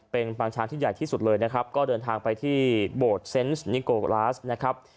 เป็นปางช้างที่ใหญ่ที่สุดเลยนะครับก็เดินทางไปที่โบสถเซนต์นิโกลาสนะครับ